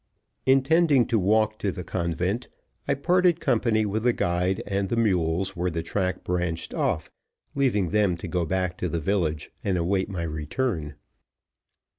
Intending to walk to the convent, I parted company with the guide and the mules where the track branched off, leaving them to go back to the village and await my return.